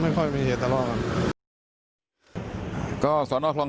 ไม่ค่อยมีเหตุหน้าไม่ค่อยมีเหตุรันดรกัน